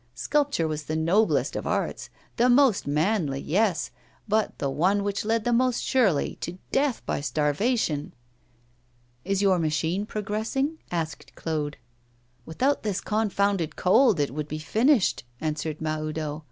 Sculpture was the noblest of arts, the most manly, yes, but the one which led the most surely to death by starvation! 'Is your machine progressing?' asked Claude. 'Without this confounded cold, it would be finished,' answered Mahoudeau.